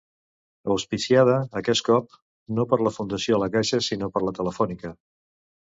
Auspiciada, aquest cop, no per la Fundació La Caixa sinó per la Telefònica.